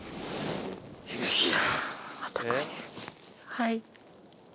はい。